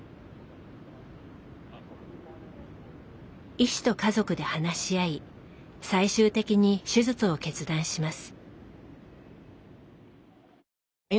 医師と家族で話し合い最終的に手術を決断します。